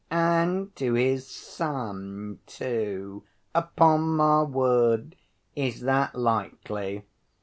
And to his son, too! Upon my word! Is that likely?